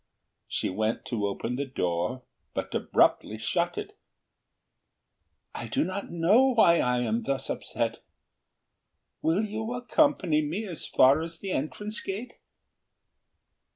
She went to open the door, but abruptly shut it. "I do not know why I am thus upset. Will you accompany me as far as the entrance gate?"